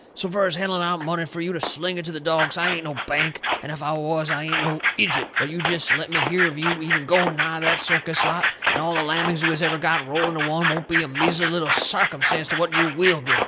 So fur as handing out money fur you to sling it to the dogs, I ain't no bank, and if I was I ain't no ijut. But you jest let me hear of you even going nigh that circus lot and all the lammings you has ever got, rolled into one, won't be a measly little sarcumstance to what you WILL get.